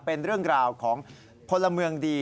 เป็นเรื่องราวของพลเมืองดี